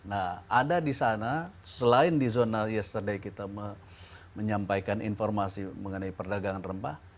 nah ada di sana selain di zona yesterday kita menyampaikan informasi mengenai perdagangan rempah